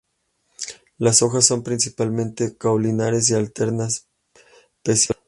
Las hojas son principalmente caulinares y alternas, pecioladas.